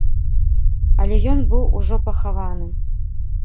Але ён быў ужо пахаваны.